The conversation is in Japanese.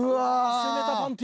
攻めたパンティ。